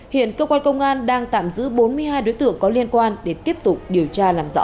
hiện cơ quan công an đang tạm giữ bốn mươi hai đối tượng có liên quan để tiếp tục điều tra làm rõ